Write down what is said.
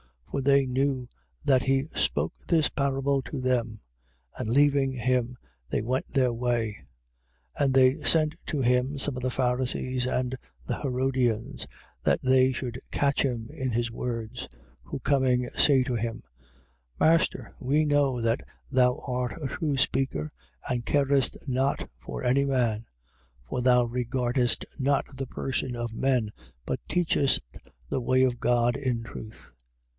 For they knew that he spoke this parable to them. And leaving him, they went their way. 12:13. And they sent to him some of the Pharisees and of the Herodians: that they should catch him in his words. 12:14. Who coming, say to him: Master, we know that thou art a true speaker and carest not for any man; for thou regardest not the person of men, but teachest the way of God in truth.